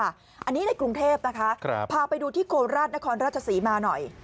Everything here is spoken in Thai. อันนี้ในกรุงเทพนะคะพาไปดูที่โคราชนครราชศรีมาหน่อย